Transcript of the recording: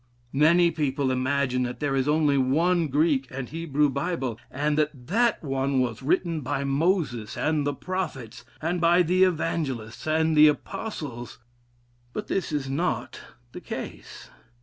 Many people imagine that there is only one Greek and Hebrew Bible, and that that one was written by Moses and the prophets, and by the evangelists and the apostles. But this is not the case.